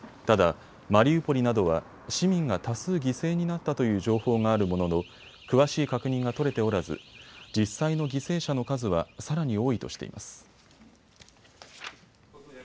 ただ、マリウポリなどは市民が多数犠牲になったという情報があるものの詳しい確認が取れておらず実際の犠牲者の数はさらに多いとしています。